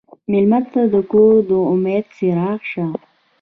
مېلمه ته د کور د امید څراغ شه.